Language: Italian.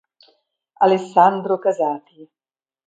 Alessandro Casati